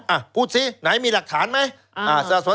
อ่ะพูดสิไหนมีหลักฐานไหม